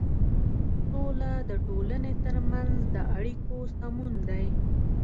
سوله د ټولنې تر منځ د اړيکو سمون دی.